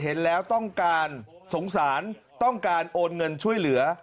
เห็นแล้วต้องการสงสารต้องการโอนเงินช่วยเหลือ